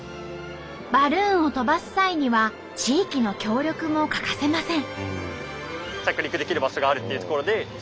バルーンを飛ばす際には地域の協力も欠かせません。